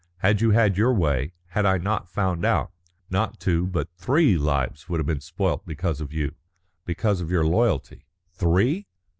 Had you had your way, had I not found out, not two but three lives would have been spoilt because of you because of your loyalty." "Three?"